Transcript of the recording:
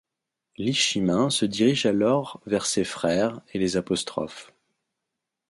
Li Shimin se dirige alors vers ses frères et les apostrophe.